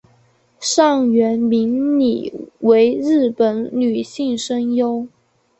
上原明里为日本女性声优。